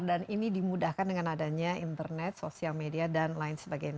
dan ini dimudahkan dengan adanya internet sosial media dan lain sebagainya